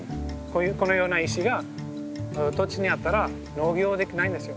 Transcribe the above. このような石が土地にあったら農業はできないんですよ。